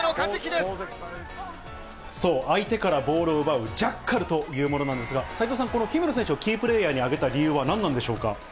そう、相手からボールを奪う、ジャッカルというものなんですが、斉藤さん、この姫野選手をキープレーヤーに挙げた理由は何なんでしょうか。